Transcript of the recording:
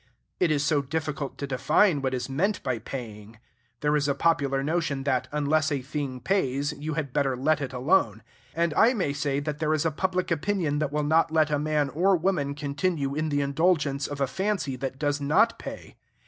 It is so difficult to define what is meant by paying. There is a popular notion that, unless a thing pays, you had better let it alone; and I may say that there is a public opinion that will not let a man or woman continue in the indulgence of a fancy that does not pay.